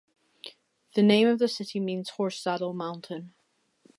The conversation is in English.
The name of the city means "Horse Saddle Mountain".